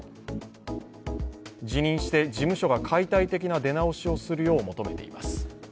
辞任して事務所が解体的な出直しをするよう求めています。